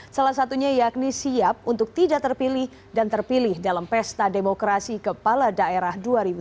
salah satunya yakni siap untuk tidak terpilih dan terpilih dalam pesta demokrasi kepala daerah dua ribu tujuh belas